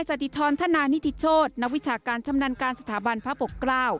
อิทธิธรรณานิทธิโชธนวิชาการชำนาญการสถาบันพระปกราว